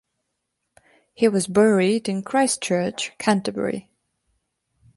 He was buried in Christ Church, Canterbury.